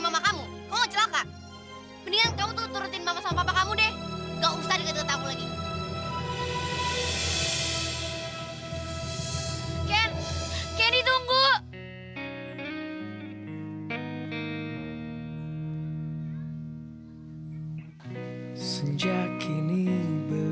gak usah deket deket aku lagi